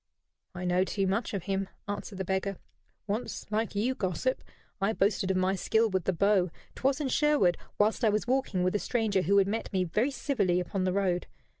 "I know too much of him," answered the beggar. "Once, like you, gossip, I boasted of my skill with the bow 'twas in Sherwood, whilst I was walking with a stranger who had met me very civilly upon the road.